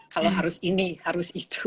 kalau harus ini harus ikut